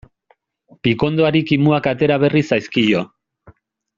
Pikondoari kimuak atera berri zaizkio.